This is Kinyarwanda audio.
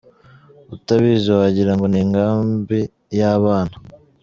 Utabizi wagira ngo ni inkambi y’abana.